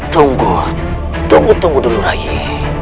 tunggu tunggu tunggu dulu rai